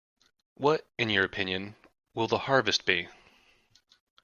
What, in your opinion, will the harvest be?